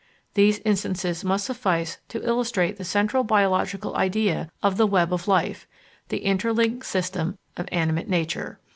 These instances must suffice to illustrate the central biological idea of the web of life, the interlinked System of Animate Nature.